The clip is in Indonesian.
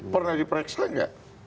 pernah diperiksa gak